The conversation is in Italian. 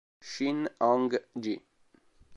Shin Hong-gi